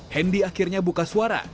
hendi akhirnya buka suara